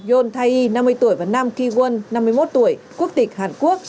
yon thai yi năm mươi tuổi và nam ki won năm mươi một tuổi quốc tịch hàn quốc